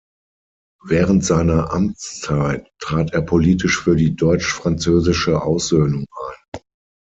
Während seiner Amtszeit trat er politisch für die deutsch-französische Aussöhnung ein.